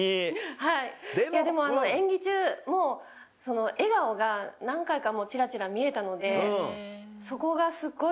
はいでも演技中もその笑顔が何回かもうちらちら見えたのでそこがすっごい